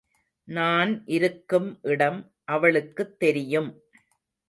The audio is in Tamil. நான் இருக்கும் இடம் அவளுக்குத் தெரியும்.